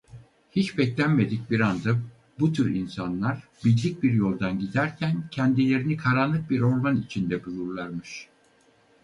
Hiç beklenmedik bir anda bu tür insanlar bildik bir yoldan giderken kendilerini karanlık orman içinde bulurlarmış.